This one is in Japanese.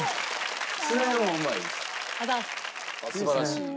素晴らしい。